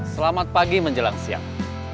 selamat pagi menjelang siang